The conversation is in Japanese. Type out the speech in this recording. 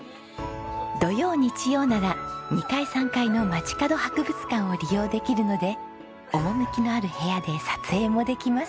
土曜日曜なら２階３階のまちかど博物館を利用できるので趣のある部屋で撮影もできます。